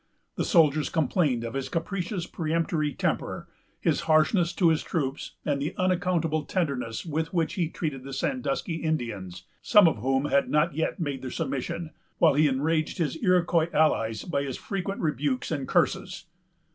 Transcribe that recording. The soldiers complained of his capricious, peremptory temper, his harshness to his troops, and the unaccountable tenderness with which he treated the Sandusky Indians, some of whom had not yet made their submission; while he enraged his Iroquois allies by his frequent rebukes and curses.